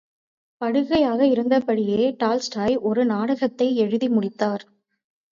படுக்கையாக இருந்தபடியே டால்ஸ்டாய் ஒரு நாடகத்தை எழுதி முடித்தார்.